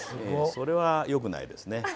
もうそれは良くないですね